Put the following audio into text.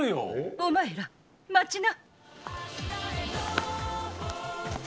お前ら、待ちな。